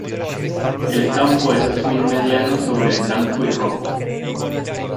El campo es azul mediano sobre blanco y rojo.